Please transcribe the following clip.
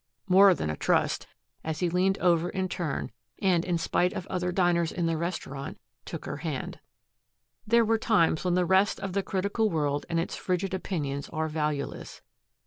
"More than a trust," he added, as he leaned over in turn and in spite of other diners in the restaurant took her hand. There are times when the rest of the critical world and its frigid opinions are valueless.